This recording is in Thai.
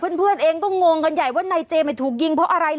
ใช่ค่ะเพื่อนเองต้องงงกันใหญ่ว่านายเจมส์ไม่ถูกยิงเพราะอะไร